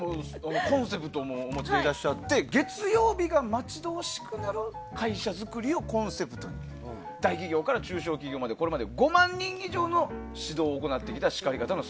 コンセプトもお持ちでいらっしゃって月曜日が待ち遠しくなる会社創りをコンセプトに大企業から中小企業にこれまで５万人以上に指導を行ってきた。